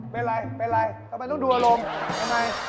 เป็นไรเป็นไรทำไมต้องดูอารมณ์ทำไม